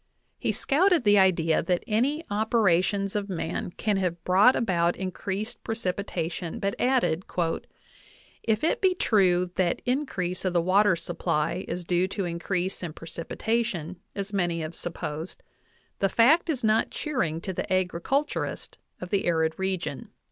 He scouted the idea that any operations of man can have brought about increased precipi tation, but added, "if it be true that increase of the water sup ply is due to increase in precipitation, as many have supposed, the fact is not cheering to the agriculturist of the arid re gion.